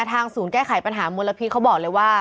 ทางศูนย์แก้ไขปัญหามลพิษเขาบอกเลยว่า